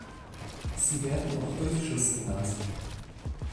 Sie werden auch Durchschuss genannt.